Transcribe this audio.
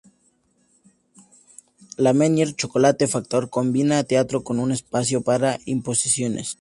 La Menier Chocolate Factory combina teatro con un espacio para exposiciones.